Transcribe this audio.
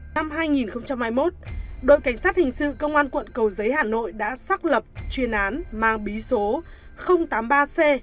năm hai nghìn hai mươi một đội cảnh sát hình sự công an quận cầu giấy hà nội đã xác lập chuyên án mang bí số tám mươi ba c